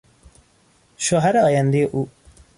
شوهر آیندهی او